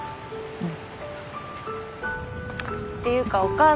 うん。